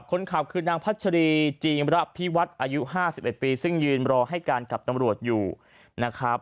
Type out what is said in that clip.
คนขับคือนางพัชรีจีมระพิวัฒน์อายุ๕๑ปีซึ่งยืนรอให้การกับตำรวจอยู่นะครับ